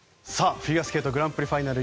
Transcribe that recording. フィギュアスケートグランプリファイナル